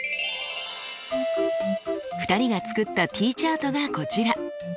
２人が作ったＴチャートがこちら。